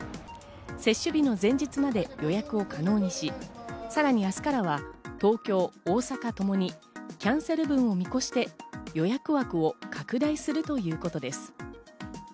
接種日の前日まで予約を可能にし、さらに明日からは東京、大阪ともにキャンセル分を見越して予約枠を拡大するということです。